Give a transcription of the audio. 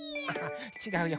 ちがうよ。